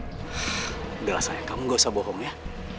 udah lah sayang kamu gak usah bohong ya